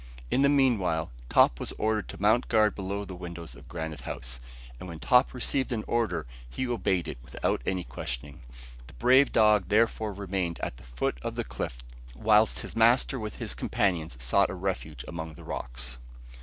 In the meanwhile Top was ordered to mount guard below the windows of Granite House, and when Top received an order he obeyed it without any questioning. The brave dog therefore remained at the foot of the cliff whilst his master with his companions sought a refuge among the rocks.